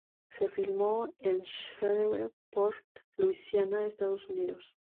Se filmó en Shreveport, Louisiana, Estados Unidos.